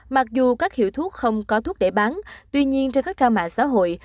mặc dù các hiệu thuốc không có thuốc để bán tuy nhiên trên các trang mạng xã hội